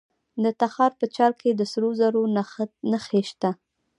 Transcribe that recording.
د تخار په چال کې د سرو زرو نښې شته.